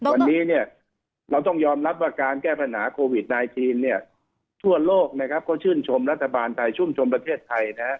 วันนี้เราต้องยอมรับว่าการแก้ปัญหาโควิด๑๙ชั่วโลกก็ชื่นชมรัฐบาลไทยชื่นชมประเทศไทย